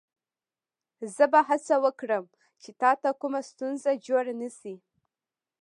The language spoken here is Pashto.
زه به هڅه وکړم چې تا ته کومه ستونزه جوړه نه شي.